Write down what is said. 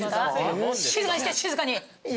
静かにして静かに。